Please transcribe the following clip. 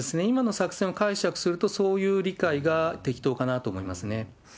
今の作戦を解釈すると、そういう理解が適当かなと思いますね。